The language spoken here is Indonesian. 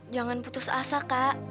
jangan putus asa kak